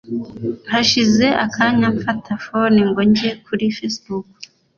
hashize akanya mfata fone ngo njye kuri facebook